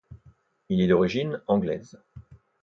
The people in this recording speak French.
Il est d’origine anglaise.